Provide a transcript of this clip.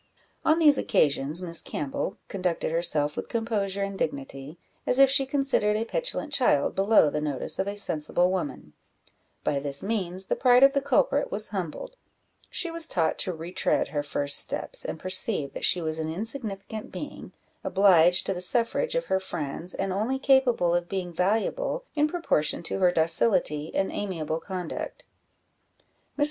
On these occasions Miss Campbell conducted herself with composure and dignity, as if she considered a petulant child below the notice of a sensible woman: by this means the pride of the culprit was humbled; she was taught to retread her first steps, and perceive that she was an insignificant being, obliged to the suffrage of her friends, and only capable of being valuable in proportion to her docility and amiable conduct. Mrs.